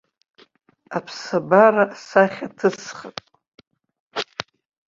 Аԥсабара асахьа ҭысхып.